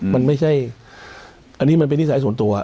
มันไม่ใช่อันนี้มันเป็นนิสัยส่วนตัว